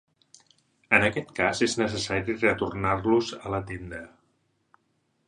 En aquest cas és necessari retornar-los a la tenda.